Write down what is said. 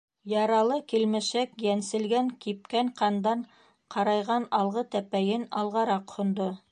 Яралы килмешәк йәнселгән, кипкән ҡандан ҡарайған алғы тәпәйен алғараҡ һондо.